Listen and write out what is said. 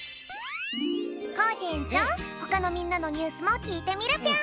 コージえんちょうほかのみんなのニュースもきいてみるぴょん。